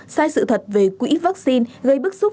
sai sự thật về quỹ vaccine gây bức xúc